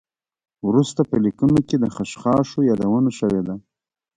وروسته په لیکنو کې د خشخاشو یادونه شوې ده.